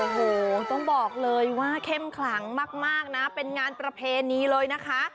โอ้โหต้องบอกเลยว่าเข้มขลังมากนะเป็นงานประเพณีเลยนะคะ